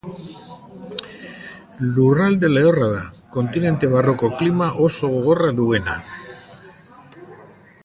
Lurralde lehorra da, kontinente barruko klima oso gogorra duena.